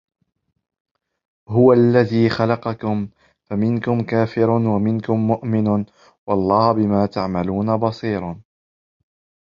هُوَ الَّذي خَلَقَكُم فَمِنكُم كافِرٌ وَمِنكُم مُؤمِنٌ وَاللَّهُ بِما تَعمَلونَ بَصيرٌ